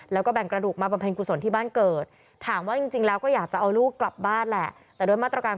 แล้วก็เอากระดูกกลับมาบ้าน